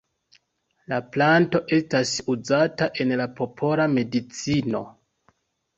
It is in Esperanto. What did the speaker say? La planto estas uzata en la popola medicino.